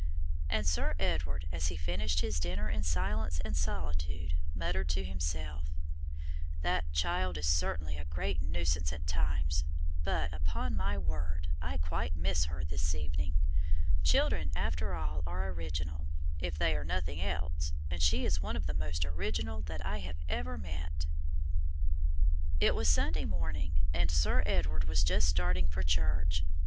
And Sir Edward as he finished his dinner in silence and solitude muttered to himself, "That child is certainly a great nuisance at times, but, upon my word, I quite miss her this evening. Children after all are original, if they are nothing else, and she is one of the most original that I have ever met." It was Sunday morning, and Sir Edward was just starting for church.